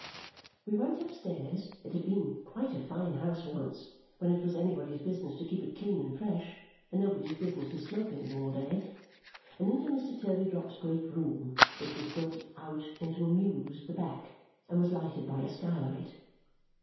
We went upstairs it had been quite a fine house once, when it was anybody's business to keep it clean and fresh, and nobody's business to smoke in it all day and into Mr. Turveydrop's great room, which was built out into a mews at the back and was lighted by a skylight.